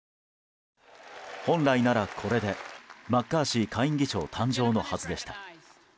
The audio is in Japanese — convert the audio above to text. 本来なら、これでマッカーシー下院議長誕生のはずでした。